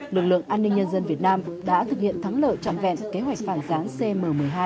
lực lượng an ninh nhân dân việt nam đã thực hiện thắng lợi trọng vẹn kế hoạch phản gián cm một mươi hai